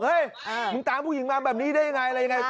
มึงตามผู้หญิงมาแบบนี้ได้ยังไงอะไรยังไง